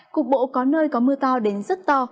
cục bộ có nơi có mưa to đến rất to